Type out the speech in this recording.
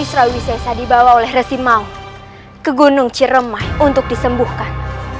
maka dari itu rais rawi sese dibawa oleh resimau ke gunung ciremai untuk disembuhkan